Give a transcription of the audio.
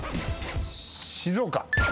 静岡。